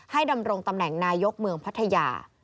ดำรงตำแหน่งนายกเมืองพัทยา